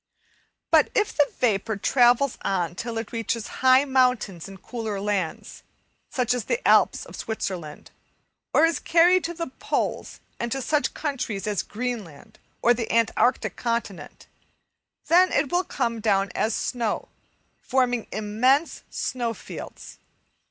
But if the vapour travels on till it reaches high mountains in cooler lands, such as the Alps of Switzerland; or is carried to the poles and to such countries as Greenland or the Antarctic Continent, then it will come down as snow, forming immense snow fields.